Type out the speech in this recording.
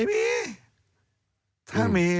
ไม่มี